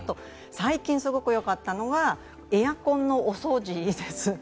最近、すごくよかったのはエアコンのお掃除です。